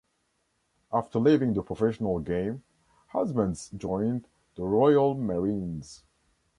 After leaving the professional game, Husbands joined the Royal Marines.